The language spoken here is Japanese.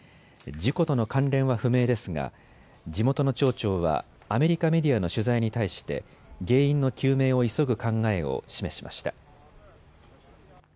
事故との関連は不明ですが地元の町長はアメリカメディアの取材に対して原因の究明を急ぐ考えを示しました。